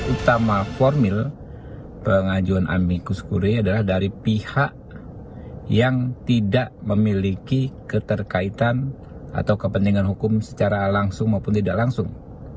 utama formil pengajuan amikus kure adalah dari pihak yang tidak memiliki keterkaitan atau kepentingan hukum secara langsung maupun tidak langsung